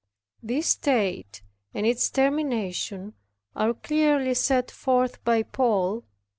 This state and its termination are clearly set forth by Paul.